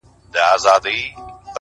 كېداى سي بيا ديدن د سر په بيه وټاكل سي”